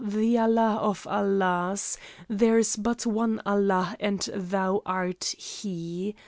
The Allah of Allahs. There is but one Allah, and thou art He.